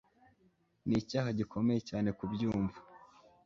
nicyaha gikomeye cyane kubyumva